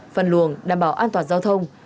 phần luồng đảm bảo an toàn giao thông